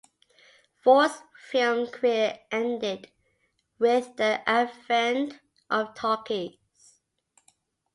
Ford's film career ended with the advent of talkies.